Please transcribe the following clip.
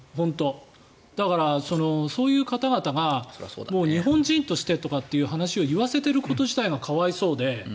だから、そういう方々が日本人としてという話を言わせていること自体が可哀想で。